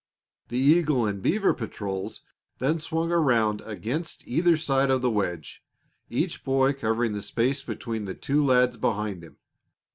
The Eagle and Beaver patrols then swung around against either side of the wedge, each boy covering the space between the two lads behind him.